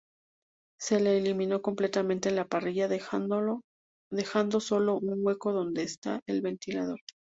Se le eliminó completamente la parrilla, dejando solo un hueco donde está el ventilador.